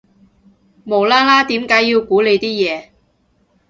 無啦啦點解要估你啲嘢